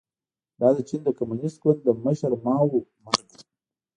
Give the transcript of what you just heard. دا د چین د کمونېست ګوند د مشر ماوو مرګ و.